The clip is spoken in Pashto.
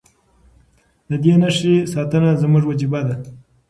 د دې نښې ساتنه زموږ وجیبه ده.